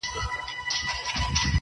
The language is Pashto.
ساقي پر ملا را خمه سه پر ملا در مات دی,